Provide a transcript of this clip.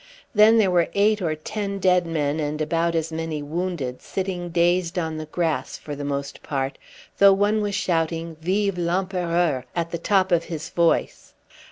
Then there were eight or ten dead men and about as many wounded, sitting dazed on the grass for the most part, though one was shouting "Vive l'Empereur!" at the top of his voice.